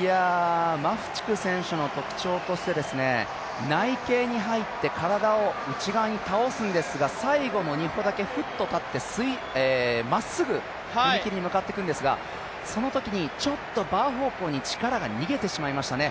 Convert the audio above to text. いや、マフチク選手の特徴として内傾に入って体を内側に倒すんですけれども、最後の２歩だけ、ふっと立って、まっすぐ踏み切りに向かって行くんですが、そのときにちょっとバー方向に力が逃げてしまいましたね。